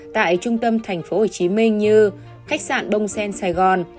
tại trung tâm thành phố hồ chí minh như khách sạn bông sen sài gòn